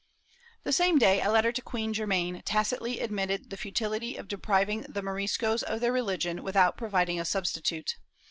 The same day a letter to Queen Germaine tacitly admitted the f utiUty of depriving the Moriscos of their religion without providing a substitute.